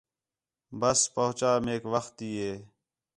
ٻس پہنچا میک وخت تی ہے